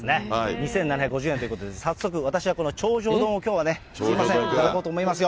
２７５０円ということで、早速、私はこの頂上丼をきょうはね、すみません、頂こうと思いますよ。